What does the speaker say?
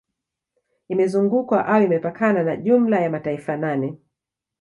Imezungukwa au imepakana na jumla ya mataifa nane